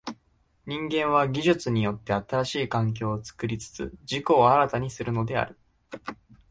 人間は技術によって新しい環境を作りつつ自己を新たにするのである。